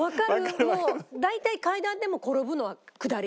もう大体階段でも転ぶのは下り。